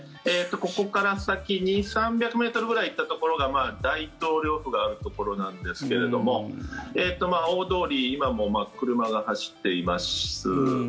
ここから先２００３００ｍぐらい行ったところが大統領府があるところなんですけれども大通り、今も車が走っています。